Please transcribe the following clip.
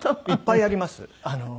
いっぱいあります。